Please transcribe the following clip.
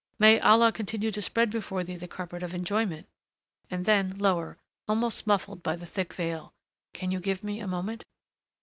"May Allah continue to spread before thee the carpet of enjoyment " and then lower, almost muffled by the thick veil, "Can you give me a moment